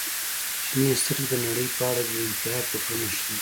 • شنې سترګې د نړۍ په اړه بې انتها فکرونه ښیي.